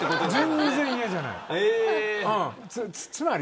全然、嫌じゃない。